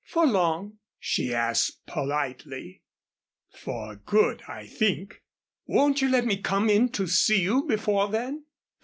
"For long?" she asked politely. "For good, I think. Won't you let me come in to see you before then?"